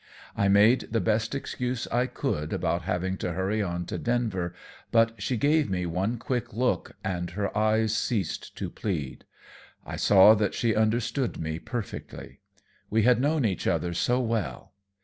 I made the best excuse I could about having to hurry on to Denver; but she gave me one quick look, and her eyes ceased to plead. I saw that she understood me perfectly. We had known each other so well.